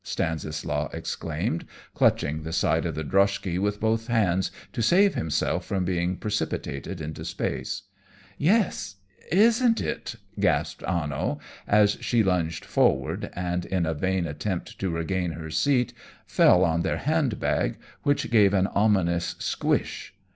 Stanislaus exclaimed, clutching the side of the droshky with both hands to save himself from being precipitated into space. "Yes isn't it?" gasped Anno, as she lunged forward, and in a vain attempt to regain her seat fell on their handbag, which gave an ominous squish.